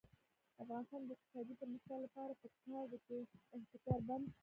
د افغانستان د اقتصادي پرمختګ لپاره پکار ده چې احتکار بند شي.